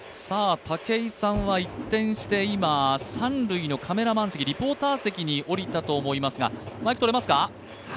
武井さんは一転して今、三塁のカメラマン席、リポーター席におりたと思いますが。